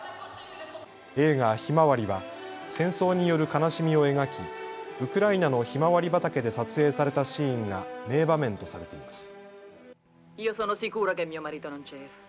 映画ひまわりは戦争による悲しみを描き、ウクライナのひまわり畑で撮影されたシーンが名場面とされています。